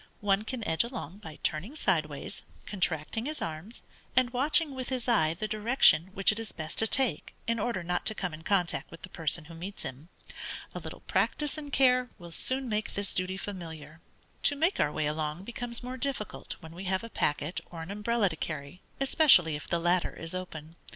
One can edge along by turning sideways, contracting his arms, and watching with his eye the direction which it is best to take in order not to come in contact with the person who meets him. A little practice and care will soon make this duty familiar. To make our way along, becomes more difficult when we have a packet or an umbrella to carry, especially if the latter is open.